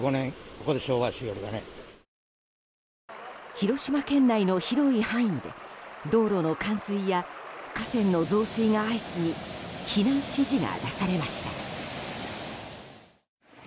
広島県内の広い範囲で道路の冠水や河川の増水が相次ぎ避難指示が出されました。